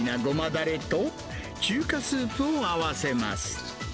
だれと、中華スープを合わせます。